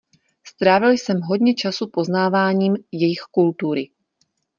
Strávil jsem hodně času poznáváním jejich kultury.